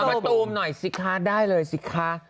มาตูมหน่อยสิคะได้เลยสิคะ